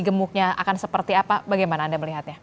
gemuknya akan seperti apa bagaimana anda melihatnya